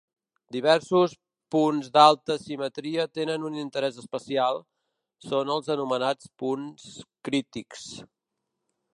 Diversos punts d'alta simetria tenen un interès especial, són els anomenats punts crítics.